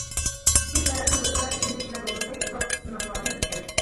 ئىككى تەرەپنىڭ ئۆزئارا ئىشىنىش ۋە دوستلۇقى ئۇزاق سىناقلاردىن ئۆتكەن.